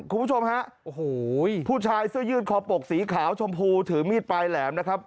คุณผู้ชมฮะโอ้โหผู้ชายเสื้อยืดคอปกสีขาวชมพูถือมีดปลายแหลมนะครับ